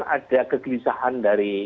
ada kegelisahan dari